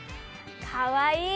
かわいい！